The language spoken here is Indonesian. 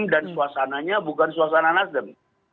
dan suasananya bukan suasana nasdem